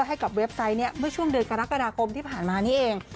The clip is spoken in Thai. เว็บไซต์เมื่อช่วงเดือนกรกฎาคมที่ผ่านมานี่เอง